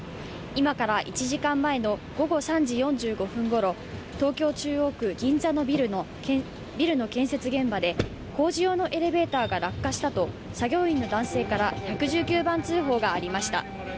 今から１時間前の午後３時４５分ごろ東京・中央区銀座のビルの建設現場で工事用のエレベーターが落下したと作業員の男性から１１９番通報がありました。